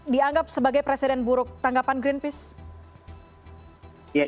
dianggap sebagai presiden buruk tanggapan greenpeace